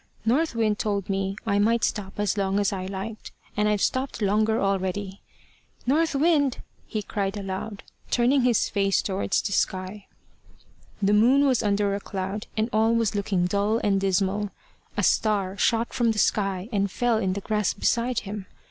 North Wind told me I might stop as long as I liked, and I've stopped longer already. North Wind!" he cried aloud, turning his face towards the sky. The moon was under a cloud, and all was looking dull and dismal. A star shot from the sky, and fell in the grass beside him.